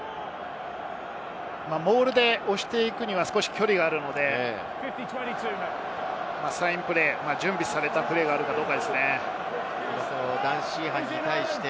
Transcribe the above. モールで押していくには少し距離があるので、サインプレー、準備されたプレーがあるかどうかですね。